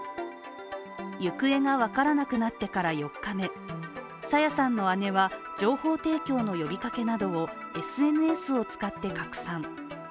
行方が分からなくなってから４日目朝芽さんの姉は情報提供の呼びかけをＳＮＳなどを使って拡散。